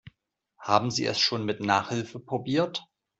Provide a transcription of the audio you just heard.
Haben Sie es schon mit Nachhilfe probiert?